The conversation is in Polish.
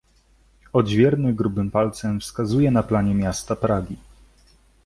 "Odźwierny grubym palcem wskazuje na planie miasta Pragi."